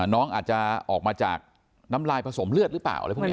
น้องอาจจะออกมาจากน้ำลายผสมเลือดหรือเปล่าอะไรพวกนี้